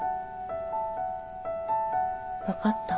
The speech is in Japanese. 分かった。